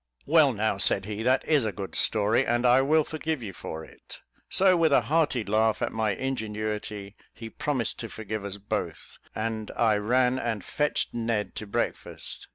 "Well, now," said he, "that is a good story, and I will forgive you for it." So with a hearty laugh at my ingenuity, he promised to forgive us both, and I ran and fetched Ned to breakfast.